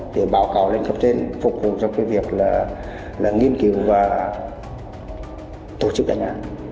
để báo cáo lên cập trên phục vụ cho cái việc là nghiên cứu và tổ chức đánh giá